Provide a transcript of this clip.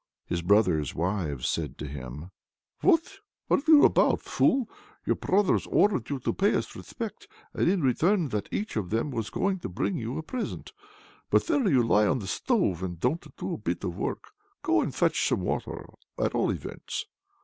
His brothers' wives say to him "What are you about, fool! your brothers ordered you to pay us respect, and in return for that each of them was going to bring you a present, but there you lie on the stove and don't do a bit of work. Go and fetch some water, at all events."